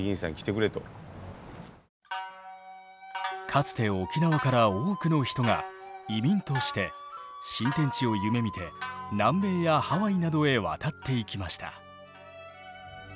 かつて沖縄から多くの人が移民として新天地を夢みて南米やハワイなどへ渡っていきました。